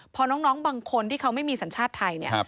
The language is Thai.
พอน้องบางคนที่เขาไม่มีสัญชาติไทยเนี่ย